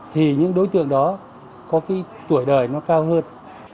thì những đối tượng đó có cái tuổi đời nó cao hơn